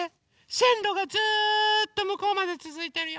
せんろがずっとむこうまでつづいてるよ。